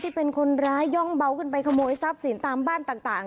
ที่เป็นคนร้ายย่องเบาขึ้นไปขโมยทรัพย์สินตามบ้านต่าง